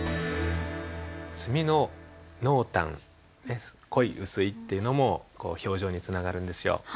墨の濃淡濃い薄いっていうのも表情につながるんですよ。